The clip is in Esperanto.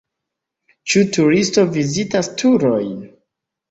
Ĉu turisto vizitas turojn?